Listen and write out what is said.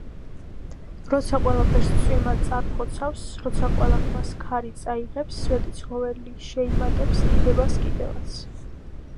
როცა ყველაფერს წვიმა წარხოცავს, როცა ყველა ხმას ქარი წაიღებს, სვეტიცხოველი შეიმატებს დიდებას კიდევაც.